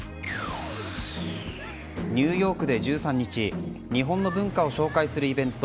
ニューヨークで１３日日本の文化を紹介するイベント